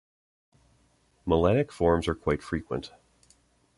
Melanic forms are quite frequent.